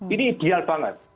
ini ideal banget